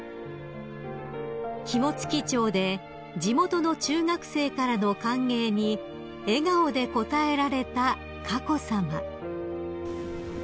［肝付町で地元の中学生からの歓迎に笑顔で応えられた佳子さま］